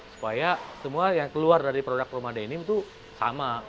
supaya semua yang keluar dari produk rumah denim itu sama